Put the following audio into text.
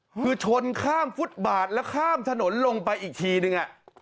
คือชนข้ามฟุตบาทแล้วข้ามถนนลงไปอีกทีนึง